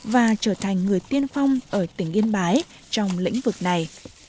và trở thành người tiên phong ở tỉnh yên bái trong lĩnh vực này